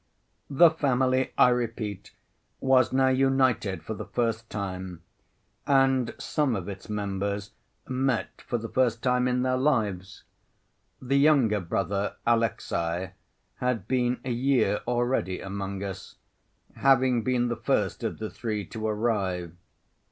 The family, I repeat, was now united for the first time, and some of its members met for the first time in their lives. The younger brother, Alexey, had been a year already among us, having been the first of the three to arrive.